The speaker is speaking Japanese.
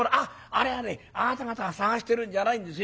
あれはねあなた方捜してるんじゃないんですよ。